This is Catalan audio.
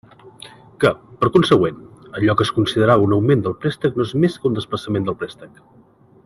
Que, per consegüent, allò que es considerava un augment del préstec no és més que un desplaçament del préstec.